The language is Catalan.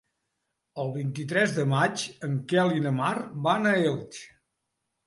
El vint-i-tres de maig en Quel i na Mar van a Elx.